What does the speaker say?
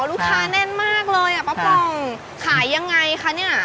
ลูกค้าแน่นมากเลยอ่ะค่ะป้าป๋องขายยังไงค่ะเนี่ย